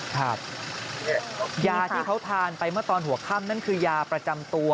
ครับยาที่เขาทานไปเมื่อตอนหัวค่ำนั่นคือยาประจำตัว